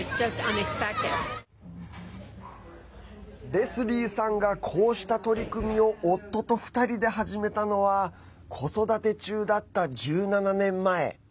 レスリーさんがこうした取り組みを夫と２人で始めたのは子育て中だった１７年前。